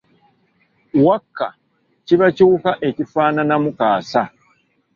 Wakka kiba kiwuka ekifaananamu kaasa.